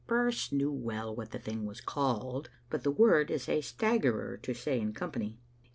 107 Birse knew well what the thing was called, but the word is a staggerer to say in company.